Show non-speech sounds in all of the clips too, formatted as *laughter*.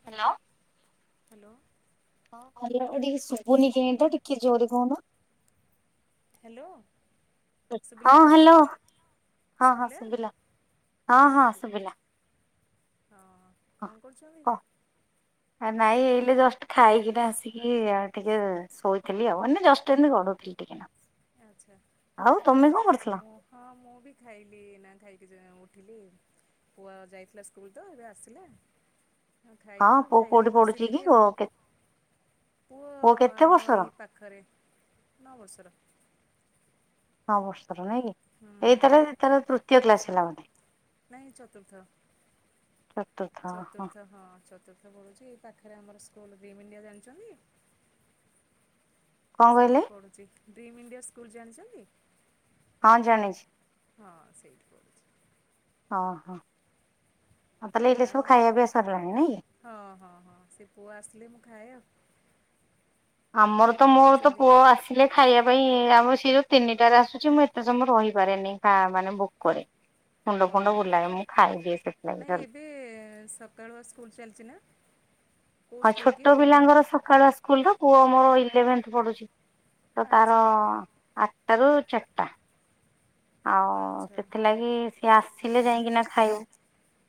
Hello hello. ହଁ hello ଟିକେ ଶୁଭୁନି କେଣ ତ ଟିକେ ଜୋରେ କହୁନ? ହାଲୋ। ହଁ ହ୍ୟାଲୋ ହଁ ହଁ ଶୁଭିଲା ହଁ ହଁ ଠିକ୍ ଅଛି ଶୁଭିଲା। ହଁ କଣ କରୁଛନ୍ତି? ଆ ନାଇଁ ଏଇଲେ ଜଷ୍ଟ ଖାଇକିନା ଆସିକି ଆଉ ଟିକେ ଶୋଇଥିଲି ଆଉ ମାନେ ଜଷ୍ଟ ଏମିତି ଗଢୁଥିଲି ଟିକେ ନାକୁ ଆଚ୍ଛା। ଆଉ ତମେ କଣ କରଛ? ମୁଁ ହଁ ମୁଁ ବି ଖାଇଲି ଏଇନା ଖାଇକି ଉଠିଲି ପୁଅ ଯାଇଥିଲା ସ୍କୁଲ ତ ଏବେ ଆସିଲା ହଁ ଖାଇଲୁ ପୁଅ ଖାଇକି କୋଉଠି ପଢୁଛି କି ବସିଥିଲି ଆଉ ପୁଅ ପୁଅ କେତେ ଆମ ବର୍ଷର ଏଇ ପାଖ ପାଖରେ ନଅ ବର୍ଷ ର ନଅ ବର୍ଷର ନାଇଁ କି? ହୁଁ। ଏଇଥରେ ତାର ତୃତୀୟ କ୍ଲାସ୍ ହେଲା ବୋଧେ ନାଇଁ ଚତୁର୍ଥ ଚତୁର୍ଥ ହଁ କଣ ଚତୁର୍ଥ ହଁ ଚତୁର୍ଥ। କ ପଢୁଛି ଏ ପାଖରେ ଆମର ସ୍କୁଲ ଡ୍ରିମ ଇଣ୍ଡିଆ ଜାଣିଛନ୍ତି? କହିଲେ? ସେଇଠି ପଢୁଛି ଡ୍ରିମ୍ ଇଣ୍ଡିଆ ସ୍କୁଲ ଜାଣିଛନ୍ତି? ହଁ ଜାଣିଛି ହଁ ସେଇଠି ପଢ଼ୁଛି। ହଁ ହଁ। ହଉ ତାହେଲେ ଏଇଲେ ଆଉ ସବୁ ଖାଇବା ପିଇବା ସରିଲାଣି ନାଇଁ କି? ହଁ ହଁ ହଁ ସେ ପୁଅ ଆସିଲେ ମୁଁ ଖାଏ ଆଉ ଆପଣ ଆମର ତ କଣ ମୋର ତ କରୁଛନ୍ତି? ପୁଅ ଆସ ହେଲେ ଖାଇବା ପାଇଁ ଆମ ସିଏ ତିନିଟାରେ ଆସୁଛି ମୁଁ ଏତେ ସମୟ ରହିପାରେନି ହଁ ମାନେ ଭୋକ ରେ ମୁଣ୍ଡ ଫୁଣ୍ଡ ହଁ ବୁଲାଏ ମୁଁ ଖାଇଦିଏ ସେଥିଲାଗି ନାଇଁ ଜ ଏବେ ସକାଳୁଆ ସ୍କୁଲ ଚାଲିଚି ନା। କୋଉ ହଁ ସ୍କୁଲ୍ କି ଛୋଟ ପୁଅଙ୍କର ପିଲାଙ୍କର ସ ସକାଳୁଆ ସ୍କୁଲ ର ପୁଅ ମୋର ଇଲେଭେନ୍ଥ ପଢୁଛି ତ ତାର ଆଚ୍ଛା ଆଟା ରୁୁ ଚାରିଟା। ଆଉ ଆଚ୍ଛା। ସେଥିଲାଗି ସିଏ ଆସିଲେ ଯାଇକିନା ଖାଇବୁ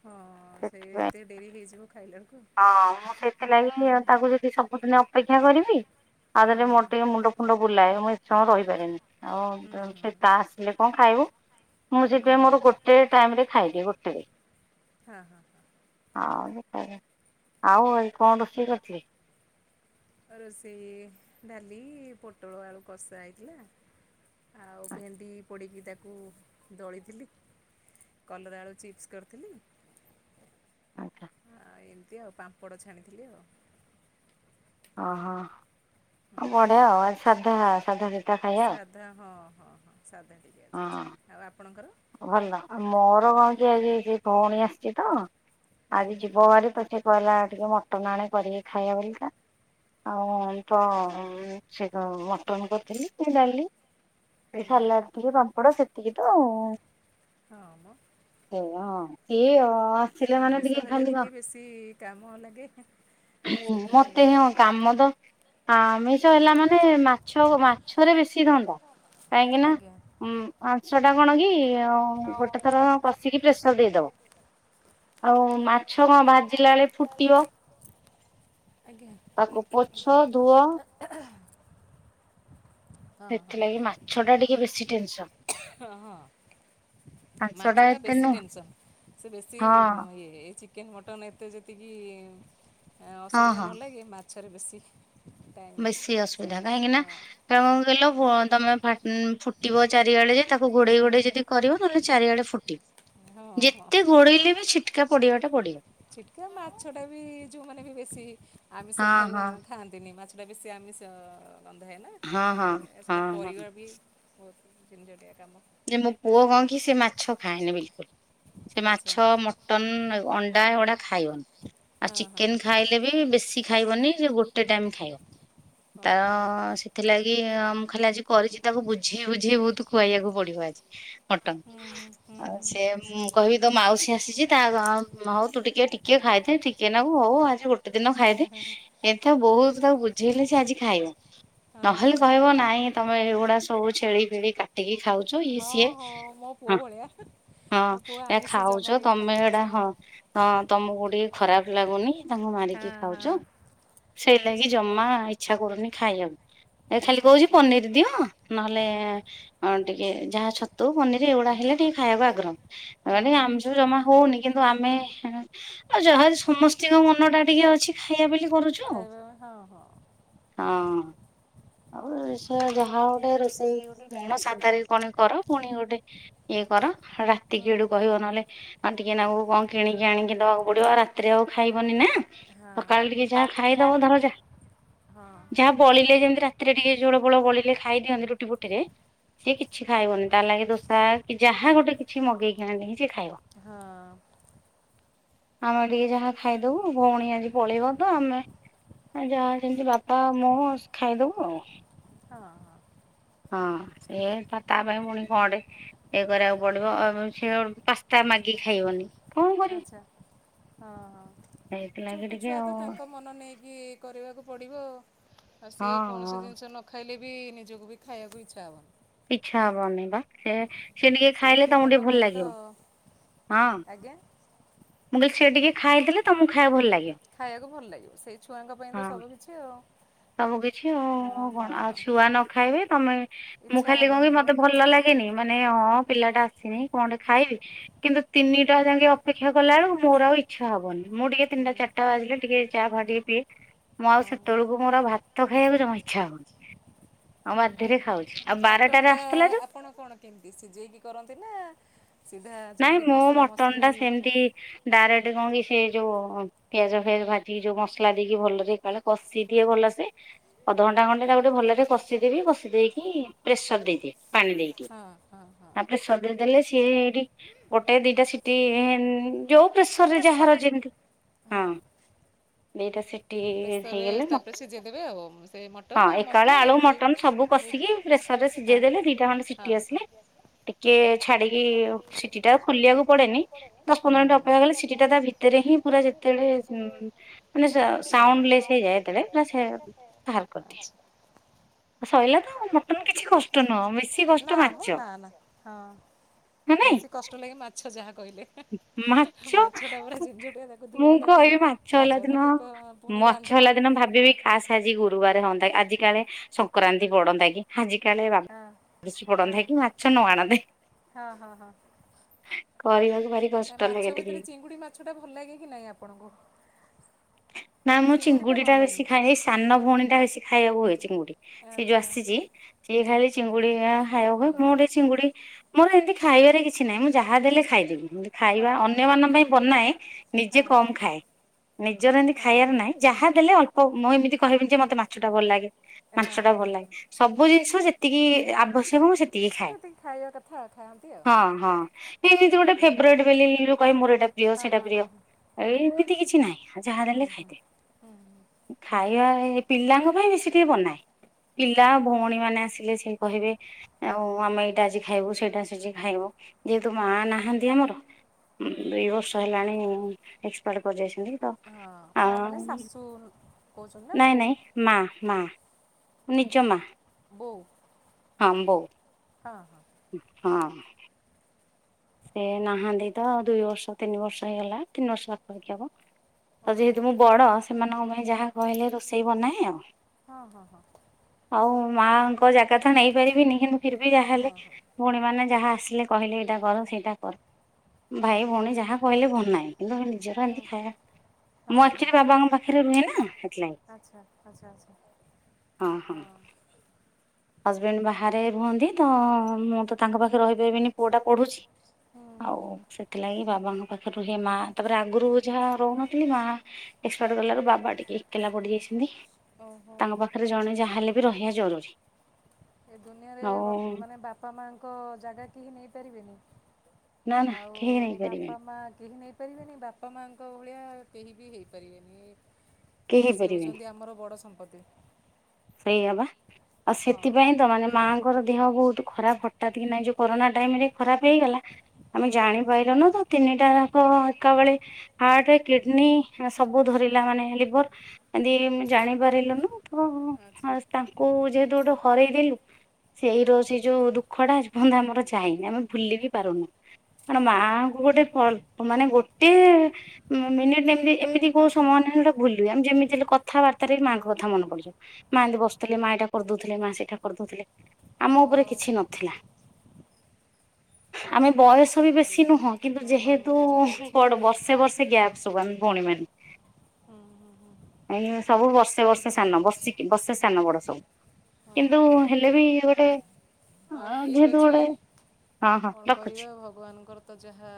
ହଁ ସେ ସେଥିପାଇଁ ଏତେ ଡେରି ହେଇଯିବ ଖାଇଲା କୁ। ହଁ ମୁଁ ସେଥିଲାଗି ତାକୁ ଯଦି ସବୁଦିନ ଅପେକ୍ଷା କରିବି ଆଉ ହଁ *unintelligible* ମୁଣ୍ଡ ମୁଣ୍ଡ ବୁଲାଏ ମୁଁ ଏତେ ସମୟ ରହିପାରେନି ହୁଁ ଆଉ ହୁଁ ସେ ତା ଆସିଲେ କଣ ଖାଇବ? ମୁଁ ହୁଁ ସେଥିପାଇଁ ମୋର ଗୋଟେ ଟାଇମ ରେ ଖାଇଦିଏ ଗୋଟେ ରେ। ହଁ ହଁ। ହଁ। ହଉ *unintelligible* ଆଉ ଏଇ କଣ ରୋଷେଇ କରିଥିଲେ? ରୋଷେଇ ଡାଲି ପୋଟଳ ଆଳୁ କଷା ହେଇଥିଲା। ଆଉ ଭେଣ୍ଡି ପୋଡ଼ିକି ତାକୁ ଦଳିଥିଲି। କଲରା ଆଳୁ ଚିପ୍ସ କରିଥିଲି। ଆଚ୍ଛା। ଆଉ ଏମିତି ଆଉ ପାମ୍ପଡ଼ ଛାଣିଥିଲି ଆଉ। ଓହୋ ଆଉ ବଢିଆ ଆଉ ଆ ସାଧା ସାଧା ସିଧା ଖାଇବା ଆଉ। *unintelligible* ହଁ ଆଉ ଆପଣଙ୍କର? ଭଲ ଆଉ ମୋର କଣ କି *unintelligible* ଭଉଣୀ ଆସିଛି ତ ଆଜ୍ଞା *unintelligible* *unintelligible* ମଟନ୍ କରିଥିଲି କି ଡାଲି। ଆଜ୍ଞା *unintelligible* ହଁ ଆମ *unintelligible* *unintelligible* କାମ ଆମିଷ ହେଲେ ଟିକେ ବେଶୀ କାମ ଲାଗେ। ସେଥିପାଇଁ ତ ଆମିଷ ହେଲା ମାନେ ମାଛ ମାଛରେ ବେଶୀ ଧନ୍ତା। *unintelligible* ଆଜ୍ଞା। ମିଶିକି ହଁ ଗୋଟେ ଥର ପ୍ରେସର ଦେଇଦବ ଆଉ ମାଛ କଣ ଭାଜିଲା ବେଳେ ଫୁଟିବ। ତାକୁ ପୋଛ ଧୁଅ ଆଜ୍ଞା। ହଁ ହଁ ସେଥିଲାଗି ମାଛ ଟା ଟିକେ ବେଶୀ ଟେନସନ। ହଁ ହଁ। ମାଂସ ମାଛ ଟା ଏତେ ବେଶୀ ନୁହଁ। ଟେନସନ ସେ ବେଶୀ ହଁ *unintelligible* ଚିକେନ ମଟନ୍ ଏତେ ଯେତିକି ହଁ ଅସୁବିଧା ହଁ ନହେଲାଏ ମାଛରେ ବେଶୀ ଟାଇମ୍ ଲାଗେ ବେଶୀ ଅସୁବିଧା ସମୟ କାହିଁକି ହଁ। *unintelligible* ତମେ ଫୁଟିବ ଚାରିଆଡେ ଯେ ତାକୁ ଘୋଡେଇ ଘୋଡେଇ ଯଦି କରିବ ନହେଲେ ଚାରିଆଡେ ହଁ ହଁ ଫୁଟିବ ହଁ ଯେତେ ଗୋଡେଇଲେ ବି ଛିଟକା ପଡିବା ଟା ପଡିବ। ଛିଟକା ମାଛଟା ବି ଯେଉଁମାନେ ବି ବେଶୀ ଆମିଷ ହଁ ହଁ ଖାଇବା ଖାଆନ୍ତିନି ମାଛଟା ବେଶୀ ଆମିଷ ଗନ୍ଧାଏନା। ହଁ ହଁ ସେଇଟା ହଁ ହଁ। କରିବାର ବି ବହୁତ *unintelligible* ଯେ ମୋ ପୁଅ କଣ କି ସେ ମାଛ ଖାଏନି ବିଲକୁଲ ସେ ଆଚ୍ଛା ମାଛ ମ ମଟନ, ଅଣ୍ଡା ଏଗୁଡ଼ାକ ଖାଇବନି। ଆଉ ହଁ ଚିକେନ୍ ଖାଇଲେ ବି ବେଶୀ ଖାଇବନି ଯେ ଗୋଟେ ଟାଇମ୍ ଖାଇବ। *unintelligible* *unintelligible* ହଁ ହଁ ହଁ ହୁଁ ହୁଁ ହୁଁ ହୁଁ *unintelligible* କହିବି ତୋ ମାଉସୀ ଆସିଚି ତା ହଉ ତୁ ଟିକେ-ଟିକେ ଖାଇଦେ ଟିକେ ନାଗୁ ହଉ ଆଜି ଗୋଟେ ଦିନ ଖାଇଦେ *unintelligible* ବହୁତ୍ ତାକୁ ବୁଝେଇଲେ ସେ ଆଜି ଖାଇବ। ହଁ ନହେଲେ ହଁ କହିବ ନାଇଁ ତମେ ଏଇଗୁଡା ସବୁ ଛେଳି ଫେଳି କାଟିକି *unintelligible* ସିଏ ହଁ-ହଁ ମୋ ହଁ ପୁଅ ଭଳିଆ। ହଁ ମୋ ପୁଅ ଏ ଆମିଷ ଜମା ଖାଉଚ ବି ତମେ ଖାଇବାକୁ ଇଚ୍ଛା ଏଇଟା ହଁ କରେନି ହଁ ତମକୁ ଟିକେ ଖରାପ୍ ଲାଗୁନି ତାଙ୍କୁ ମାରିକି ହଁ ଖାଉଚ। ହଁ ସେଇ ଲାଗି ଜମା ଇଚ୍ଛା କରୁନି ଖାଇଆକୁ। ଏ ଖାଲି ଆଚ୍ଛା କହୁଚି ଆଚ୍ଛା ପନିରି ଦିଅ ନହେଲେ ହଁ ଟିକେ ଯାହା ଛତୁ ପନିରି ଏଗୁଡା ହେଲେ ଟିକେ ଖାଇଆକୁ ଆଗ୍ରହ ହୁଁ *unintelligible* ହୁଁ ଆମିଷ ଜମା ହଉନି କିନ୍ତୁ ଆମେ *unintelligible* ଯାହା ହେଲେ ସମସ୍ତିଙ୍କ ମନ ଟା ଟିକେ ଅଛି ଖାଇଆ ବୋଲି *unintelligible* ଖାଇବା ପାଇଁ ହଁ-ହଁ। ହଁ ଆଉ ସେ ଯାହା ଗୋଟେ ରୋଷେଇ ଗୋଟେ *unintelligible* *unintelligible* କର ପୁଣି ଗୋଟେ ଇଏ କର ରାତି ହୁଁ କି *unintelligible* କହିବ ହୁଁ ନହେଲେ *unintelligible* ଟିକେ ନାକୁରୁ କଣ କିଣିକି ଆଣିକି ଦବାକୁ ପଡିବ ରାତିରେ ଆଉ ଖାଇବନି ନା। ହଁ ସକାଳେ ଟିକେ ଯାହା କାଲି ଯା ଖାଇଦବ ଧର ହଁ ଯା-ଯା ବଳିଲେ ଯେମ୍ତି ରାତିରେ ଟିକେ ଝୋଳ ଫୋଳ ବଳିଲେ ଖାଇ ଦିଅନ୍ତି ରୁଟି ଫୁଟିରେ ସିଏ କିଛି ଖାଇବନି ତା ଲାଗି ଦୋସା କି ଯାହା ଗୋଟେ କିଛି ମଗେଇକି ଆଣିକି ସିଏ ଖାଇବ। ହଁ। ଆମେ ଟିକେ ଯାହା ଖାଇଦବୁ ଭଉଣୀ ଆଜି ପଳେଇବ ତ ଆମେ ଆ ଯାହା ଯେମ୍ତି ବାପା ମୁଁ ଖାଇଦବୁ ଆଉ। ହଁ-ହଁ। ହଁ ସେ ତ ତା ପାଇଁ ପୁଣି କଣଟେ ଇଏ କରିଆକୁ ପଡିବ ଆଉ ସେ ପାସ୍ତା ମ୍ୟାଗି ଖାଇବନି। କଣ *unintelligible* କରିବ ଆଚ୍ଛା ହଁ-ହଁ ସେଇଥିଲାଗି ଛୋଟ ଟିକେ ଛୁଆ ଆଉ ତ ତାଙ୍କୁ ମନ ନେଇକି କରିବାକୁ ପଡ଼ିବ ହଁ ସିଏ କୌଣସି ହଁ ଜିନିଷ ନ ଖାଇଲେ ବି ନିଜକୁ ବି ଖାଇଆକୁ ଇଚ୍ଛା ହବ। ଇଚ୍ଛା ହବନି ବା ସେ ସେ ଟିକେ ସେଇ ଖାଇଲେ ତମକୁ ପିଲାଙ୍କ ଟିକେ ଭଲ ପାଇଁ ତ ଲାଗିବ ହଁ ଆଜ୍ଞା? ମୁଁ କହିଲି ସିଏ ଟିକେ ଖାଇ ଦେଲେ ତମୁକୁ ଖାଇଆକୁ ଭଲ ଲାଗେ। ଖାଇଆକୁ ଭଲ ଲାଗିବ ସେଇ ଛୁଆଙ୍କ ପାଇଁ ତ ସବୁ କିିଛି ଆଉ। ସବୁ କିଛି ଅ ଆଉ କଣ ଆଉ ହଁ। ଛୁଆ ନ ଖାଇବେ ତମେ ମୁଁ ଇଚ୍ଛା ଖାଲି ହବନି କହିବି ପୁରା। ମତେ ଭଲ ଲା *unintelligible* ମାନେ ହଁ ପିଲାଟା ଆସିନି କଣଟେ ଖାଇବି କିନ୍ତୁ ତିନିଟା ଯାକେ ଅପେକ୍ଷା କଲା ବେଳେ ମୋର ଆଉ ଇଚ୍ଛା ହବନି ମୁଁ ଟିକେ ତିନିଟା ଚାରିଟା ବାଜିଲେ ଟିକେ ଚା ଫାଆ ଟିକେ ପିଏ, ମୁଁ ହଁ ଆଉ *unintelligible* କୁ ମୋର ଭାତ ଖାଇବାକୁ ଜମା ଇଚ୍ଛା ହଉନି ଆଉ ବାଧ୍ୟରେ ଖାଉ। ମଟନ୍ ଟା ଆପଣ କଣ କେମ୍ତି ସିଝେଇକି କରନ୍ତି ନା ସିଧା ଯେମ୍ତି ମସଲା ମସଲି ଏ ଡାଇରେକ୍ଟ କଣ କି ସେ ଯୋଉ ପିଆଜ ଫିଆଜ ଭାଜିି ଯୋଉ ମସଲା ଦେଇକି ଭଲରେ କାଳେ କଷି ଦିଏ ଭଲସେ ଅଧଘଣ୍ଟା ଘଣ୍ଟେ ତାକୁ ଟିକେ ଭଲରେ କଷିଦେବି କଷିଦେଇକି ପ୍ରେସର ଦେଇଦିଏ। ପାଣି ଦେଇଦିଏ, ହଁ ହଁ ହଁ। ତାପରେ ଦେଇଦେଲେ ସିଏ ହେଇଠି ଗୋଟେ ଦିଟା ସିଟି ଯେଉ ପ୍ରେସର୍ ରେ ଯାହାର ପ୍ରେସରରେ ଯେମିତି ଦିଟା ସିଟି ପ୍ରେସର ରେ ହେଇଗଲେ ତାପରେ ସିଝେଇଦେବେ ଆଉ, ସେ ମଟନ ହଁ ଆଉ ଏକାବେଳେ ମସଲା ଆଳୁ ଏମିତି ମଟନ ସବୁ ଦେଇକି କଷିକି ହଁ ପ୍ରେସରରେ ହଁ ସିଝେଇ ଦେଲେ ଦିଇଟା ଖଣ୍ଡେ ହଁ। ସିଟି ଆସିଲେ ଟିକେ ଛାଡିକି ସିଟିଟା ଖୋଲିବାକୁ ପଡେନି ଦଶ ପନ୍ଦର ମିନଟ ଅପେକ୍ଷା କଲେ ସିଟି ଟା ତା ଭିତ ସେଥିରେହିଁ ପୁରା ଯେତେବେଳେ ମାନେ ମାନେ ସାଉଣ୍ଡ ଲେସହେଇଯାଏ ଲେସ୍ ହେଇଯାଏ ଯେତେପୁରା ସେ କତି। *inaudible* ସଇଲାତ ସେଥିରେ କିଛି ନୁହଁ କଷ୍ଟ ବେଶୀ ନୁହଁ ନା କଷ୍ଟ ମ ମାଛ ନା ନା ହଁ। ନା ନାଇଁ ବେଶୀ କଷ୍ଟ ଲାଗେ ମାଛ ଯାହା କହିଲେ ମାଛ ମାଛଟା ପୁରାଜିନିଛେ ଟିଆ ତାକୁ ମୁଁ ଧୁଅ ତାକୁ। କହିବି ମାଛ ଭାଜ ହେଲା ଦିନ ତାକୁ କ ପୁଣି ରାନ୍ଧ ମାଛ ହେଲା ଦିନ ଭାବିବି ଖାସ ଆଜି ଗୁରୁବାର ହନ୍ତା କି ଆଜି କାଳେ ସଂକ୍ରାନ୍ତି ପଡନ୍ତା କି? ଆଜି କାଳେ ହଁ ହଁ ବାତପଡ଼ନ୍ତକି ମାଛ ନ ଆଣନ୍ତେ କି? ହଁ ହଁ ହଁ କରିବାକୁ ଭାରି ନାଇଁ କଷ୍ଟ ମାଛ ଲାଗେ ଟିକେ। ଭିତରେ ଚିଙ୍ଗୁଡ଼ି ମାଛଟା ଭଲ ଲାଗେ କିି ନାହିଁ ଆପଣଙ୍କୁ? ନା ମୁଁ ଭଲ ଚିଙ୍ଗୁଡ଼ିଟା ବେଶୀ ଲାଗେ ଖାଏ ଏଇ ସାନ ଭଉଣୀଟା ବେଶୀ ଖାଇବାକୁ ହୁଏ ଚିଙ୍ଗୁଡ଼ି। ସେଏ ଯୋଉ ଆଚ୍ଛା ଆସିଛି ସିଏ ଖାଲି ଚିଙ୍ଗୁଡି ଖାଇବା ହୁଁ। ପାଇଁ ମୁ ଗୋଟେ ଚିଙ୍ଗୁଡି ମୋର ଏମିତି ଖାଇବାରେ କିଛି ନାହିଁ ମୁଁ ଯାହା ଦେଲେ ଖାଇଦେବି। ଖାଇବା ହଁ ହଁ ଅନ୍ୟମାନଙ୍କ ପାଇଁ ବନାଏ ହଁ ନିଜେ ହଁ କମ୍ ଖାଏ। ନିଜର ଏମିତି ହଁ ଖାଇବାର ନାହିଁ ଯାହା ଦେଲେ ଅଳପ ମୁଁ ଏମିତି କହିବି ଯେ ମତେ ମାଛଟା ଭଲ ଲାଗେ? ହଁ ମାଂସଟା ହଁ ଭଲ ହଁ ହଁ ଲାଗେ ସବୁ ଜିନିଷ ଯେତିକି ଆବଶ୍ୟକ ମୁଁ ସେ ଯେତିକି ଖାଇବା କଥା। ଖାଆନ୍ତି ଆଉ। ହଁ ହଁ ଏମିତି ଗୋଟେ ଫ୍ରେବ୍ରିଟି ବୋଲି ହିରେ ମୋର ଏଇଟା ପ୍ରିୟ ହଁ ସେଇଟା ହଁ ପ୍ରିୟ। ହଁ ହଁ ହୁଁ ଏ ଏମିତି କିଛି ନାହିଁ ଯାହା ହୁଁ ଦେଲେ ହୁଁ ଖାଇଦେବି। ହୁଁ ହୁଁ। ଖାଇବା ଏ ପିଲାଙ୍କ ପାଇଁ ବେଶୀ ଟିକେ ବନାଏ। ପିଲା ଭଉଣୀମାନେ ଆସିଲେ ସେ କହିବେ। ଆଉ ଆମେ ଏଇଟା ଆଜିଖାଇବୁ ସେଇଟା ସେଠି ଖାଇବ ଯେହେତୁ ମା ନାହାନ୍ତି ଆମର। ଦୁଇ ବର୍ଷ ହେଲାଣି ଏକ୍ସପାଡ କରି ଯାଇଛନ୍ତି ତ? ହଁ ମା ମାନେ ଶାଶୁ କହୁଛନ୍ତି ନା ନାଇଁ ବୋଉ? ନାଇଁ ମା ମା ନିଜମା। ବଉ। ହଁ ବୋଉ। ହଁ ହଁ। ହଁ। ସେ ନାହାନ୍ତି ତ ଦୁଇ ବର୍ଷ ତିନି ବର୍ଷ ହେଇଗଲା ତିନି ବର୍ଷ ପାଖାପାଖି ହବ। ତ ଯେହେତୁ ମୁଁ ବଡ଼ ସେମାନଙ୍କ ପାଇଁ ଯାହା କହିଲେ ରୋଷେଇ ବନାଏ ଆଉ। ଓହୋ ହଁ ଆଉ ମାଙ୍କ ଜାଗା ତ ନେଇ ପାରିବିନି କିନ୍ତୁ ଫିର୍ବି ହଁ ହଁ ଯାହାହେଲେ। ହଁ ହଁ ଭଉଣୀ ମାନେ ଯାହା ଆସିଲେ କହିଲେ ଏଇଟା କର ସେଇଟା କର। ହଁ ଭାଇ ଭଉଣୀ ଯାହା କହିଲେ ଭଲ ନାହିଁ କିନ୍ତୁ ସେ ନିଜର ହଁ ହଁ ଏମିତି ଖାଇବା। ମୁଁ ହଁ ହଁ ଆକ୍ଚୁଆଲି ବାବାଙ୍କ ପାଖରେ ରୁହେ ନା ସେଥିଲାଗି। ଆଚ୍ଛା ଆଚ୍ଛା ଆଚ୍ଛା ହଁ ହଁ। ହଜବେଣ୍ଡ ବାହାରେ ରୁହନ୍ତି ତ ମୁଁ ତ ତାଙ୍କ ପାଖ ରହିପାରିବିନି ପୁଅଟା ପଢୁଛି ହୁଁ ଆଉ ହୁଁ ସେଠ ସେଥିଲାଗି ବାବାଙ୍କ ପାଖରେ ରୁହେ ମା ତାପରେ ଆଗରୁ ଯାହା ରହୁନଥିଲି ମା। ଏକ୍ସପାର୍ଟ କଲାରୁ ବାବା ଟିକେ ଏକେଲା ପଡ଼ିଯାଇଛନ୍ତି। ଓହୋ। ତାଙ୍କ ଜଣେ ଯାହା ହେଲେ ବି ରହିବା ଜରୁରୀ। ଏ ଦୁନିଆରେ ଆଉ ବ ମାନେ ବାପା ମାଙ୍କ ଜାଗା କେହି ନେଇପାରିବେନି। ନା ନା ଆଉ କେହି ବାପା ନେଇପାରିବେନି ମା କେହି ନେଇ ପାରିବେନି ବାପା ମାଙ୍କ ଭଳିଆ କେହି ବି ହେଇପାରିବେନି। କେହି ସିଏ ହେଇପାରିବେନି ହେଉଛନ୍ତି ଆମର ବଡ଼ ସମ୍ପତ୍ତି। ସେଇଆ ବା ଆଉ ହଁ ସେଥିପାଇଁ ତ ମାନେ ମାଙ୍କର ଦେହ ବହୁତ ଖରାପ ହଠାତ୍ କିନା ଯୋଉ କରୋନା ଟାଇମରେ ଖରାପ ହେଇଗଲା ଆମେ ହଁ ଜାଣି ପାଇଲୁନୁ ତ ତିନିଟା ଯାକ ଏକା ବଳେ ହାର୍ଟ କିଡନୀ ଆ ସବୁ ଧରିଲା ମାନେ ଲିଭର। ଏମତି ଜାଣିପାରିଲୁନୁ ତ ଆଚ୍ଛା ତାଙ୍କୁ ଯେହେତୁ ଗୋଟେ ହରେଇଦଲୁ। ସେଇ ର ସେଇ ଯୋଉ ଦୁଃଖ ଟା ଆଜିପର୍ଯ୍ୟନ୍ତ ଆମର ଯାଇନି ଆମେ ଭୁଲି ବି ପାରୁନୁ। କଣ ହଁ ମାଙ୍କୁ ଗୋଟେ କଳ୍ ମାନେ ଗୋଟେ ମିନିଟ ଏମିତି ଏମିତି କୋଉ ସମୟ ନାହିଁ ଯେ ଭୁଲୁ ଆମେ ଯେମତି ହେଲେ କଥାବାର୍ତ୍ତାରେ ବି ହଁ ମାଆଙ୍କ କଥା ମନେ ପଡ଼ିଯିବ। ମା ଏମତି ବସୁଥିଲେ ମା ଏଇଟା କରିଦଉଥିଲେ ମା ସେଇଟା କରିଦଉଥିଲେ ଆମ ଉପରେ ହଉ କିଛି ନଥିଲା। ହଉ ଆମେ ଆଉ ବୟସ କଣ ବି ବେଶୀ କରିବା ନୁହଁ କିନ୍ତୁ ଯେହେତୁ ଭଗବାନଙ୍କର ଯାହା ଇଚ୍ଛା ବଡ ବର୍ଷେ ବର୍ଷେ। ଗ୍ୟାପ ସବୁ ଆମେ ଭଉଣୀ ମାନେ ହୁଁ ହୁଁ ହୁଁ ସବୁ ବର୍ଷେ ହଉ ବର୍ଷେ ଠିକ୍ ସାନ ଅଛି ବର୍ଷିକ ବର୍ଷେ ସାନ ବଡ ସବୁ ହଁ କିନ୍ତୁ ହଁ ହେଲେ ବି ଗୋଟେ। ହଉ ଠିକ ଯେହେତୁ ଅଛି। ଗୋଟେ ହଁ ହଁ କଣ ରଖୁଛି କରିବା ଭଗବାନଙ୍କର ତ ଯାହା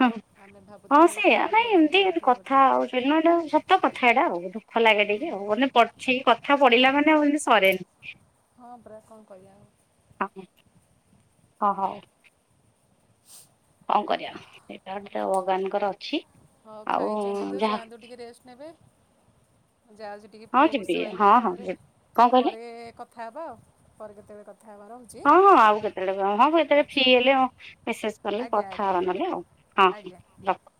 ହଁ ଆମେ ଭାବୁ। ହଁ ସେଇଆ ନାଇଁ ଏମିତି ଏ କଥା ଆଉ ହେଲା ବେଳକୁ ସତ କଥା ଏଇଟା ଆଉ ଦୁଖ ଲାଗେ ହୁଁ ଟିକେ ଆଉ ହୁଁ ମାନେ ସେଇ କଥା ପଡିଲା ମାନେ ଆଉ ଏଇଠି ସରେନି। ହଁ ପରା କଣ କହିବା ଆଉ। ହଁ। ହଁ ହଉ। କଁ କରିବା। ଗୋଟେ ହଉ ଭଗବାନଙ୍କର ଅଛି ହଉ ଆଉ ଖାଇଛନ୍ତି ତ ଯାହା ଯାଆନ୍ତୁ ଟିକେ ରେଷ୍ଟ ନେବେ। ଯାଉଛି ଟିକେ ହଁ ପୁଅକୁ ଯିବି ଶୁଆଇବି ହଁ ହଁ ତାପରେ। ଯିବି କଣ କହିଲେ ପରେ କଥା ହେବା ଆଉ ପରେ କେତେବେଳେ କଥା ହେବା ରହୁଛି। ତେବେ ଫ୍ରୀ ଆଚ୍ଛା ହେଲେ ଆଉ ମେସେଜ କଲେ ଆଜ୍ଞା କଥା ଆଜ୍ଞା ହବା ନହେଲେ ଆଉ ହଁ ଆଜ୍ଞା ହଁ ରଖ।